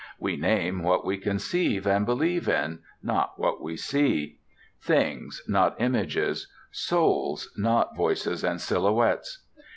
We name what we conceive and believe in, not what we see; things, not images; souls, not voices and silhouettes.